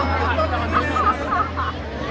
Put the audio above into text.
สวัสดีครับ